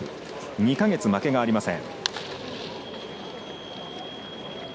２か月、負けがありません。